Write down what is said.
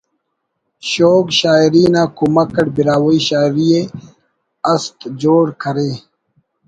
شوگ شاعری نا کمک اٹ براہوئی شاعری ءِ ہست جوڑ کرے